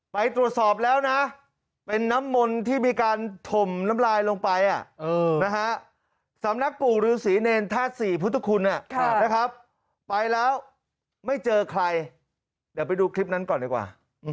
ไปตรวจสอบแล้วนะเป็นน้ำมนต์ที่มีการถมน้ำลายลงไปสำนักปู่ฤษีเนรธาตุศรีพุทธคุณนะครับไปแล้วไม่เจอใครเดี๋ยวไปดูคลิปนั้นก่อนดีกว่า